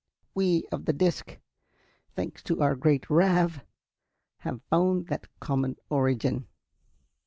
We of the disc, thanks to our great Ravv, have found that common origin."